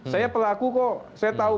saya pelaku kok saya tahu